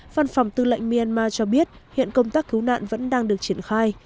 văn phòng tư lệnh myanmar cho biết hiện công tác cứu nạn vẫn đang được triển khai